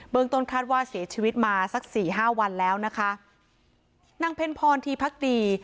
ต้นคาดว่าเสียชีวิตมาสักสี่ห้าวันแล้วนะคะนางเพ็ญพรทีพักดี